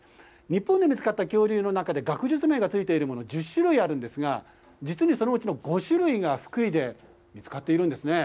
日本で見つかった恐竜の中で学術名が付いているもの、１０種類あるんですが、実にそのうちの５種類が福井で見つかっているんですね。